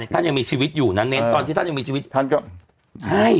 ท่านยังมีชีวิตอยู่นะเน้นตอนที่ท่านยังมีชีวิตท่านก็ให้